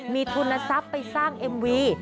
มีทุนทรัพย์ไปสร้างเอ็มวี